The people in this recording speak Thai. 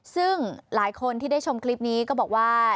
ซึ่งหลายคนที่ได้ชมคลิปนี้ก็บอกว่า